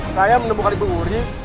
saya menemukan ibu wuri